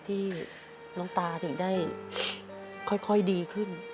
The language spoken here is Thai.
ที่น้องตาถึงได้ค่อยดีขึ้น